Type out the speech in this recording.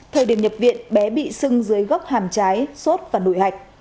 thời điểm nhập viện bé bị sưng dưới góc hàm trái sốt và nụy hạch